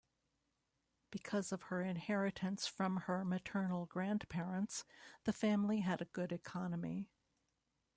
Because of her inheritance from her maternal grandparents, the family had a good economy.